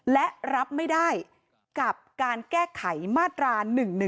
และรับไม่ได้กับการแก้ไขมาตรา๑๑๒